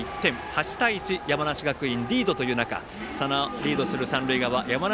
８対１、山梨学院リードという中そのリードする三塁側山梨